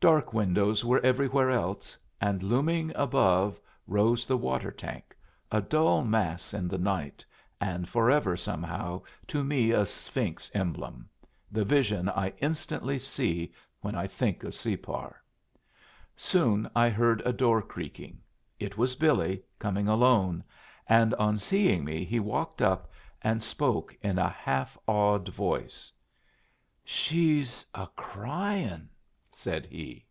Dark windows were everywhere else, and looming above rose the water tank, a dull mass in the night, and forever somehow to me a Sphinx emblem, the vision I instantly see when I think of Separ. Soon I heard a door creaking. It was Billy, coming alone, and on seeing me he walked up and spoke in a half awed voice. "She's a crying," said he.